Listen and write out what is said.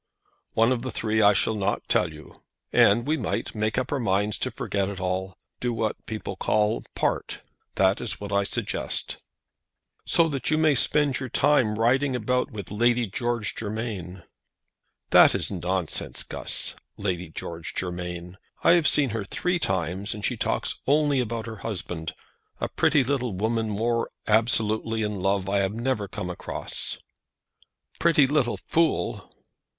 "One of the three I shall not tell you. And we might make up our minds to forget it all. Do what the people call, part. That is what I suggest." "So that you may spend your time in riding about with Lady George Germain." "That is nonsense, Guss. Lady George Germain I have seen three times, and she talks only about her husband; a pretty little woman more absolutely in love I never came across." "Pretty little fool!"